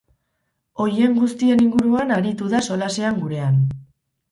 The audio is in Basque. Horien guztien inguruan aritu da solasean gurean.